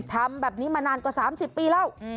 ทำแบบนี้มานานกว่า๓๐ปีแล้ว